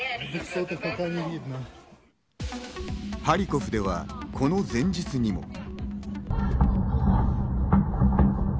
ハリコフではこの前日にも。